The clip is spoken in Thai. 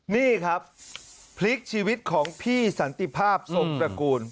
นี่ครับพลิกชีวิตของพี่สันติภาพทรงตระกูล